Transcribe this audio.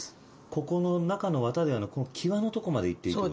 ここの中のわたではなくこの際のとこまでいっていいってこと。